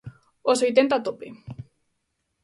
Os oitenta a tope!